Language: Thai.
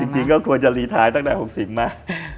จริงก็ควรจะรีไทน์ตั้งแต่๖๐มา